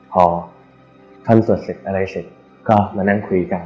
พอท่านสวดเสร็จอะไรเสร็จก็มานั่งคุยกัน